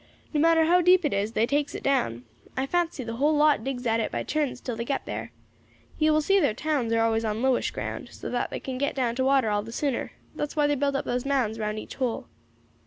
No matter how deep it is, they takes it down; I fancy the whole lot digs at it by turns till they get there. You will see thar towns are always on lowish ground, so that they can get down to water all the sooner; that's why they build up those mounds round each hole."